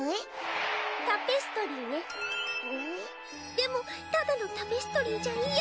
でもただのタペストリーじゃ嫌！